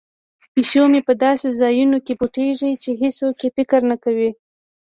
پیشو مې په داسې ځایونو کې پټیږي چې هیڅوک یې فکر نه کوي.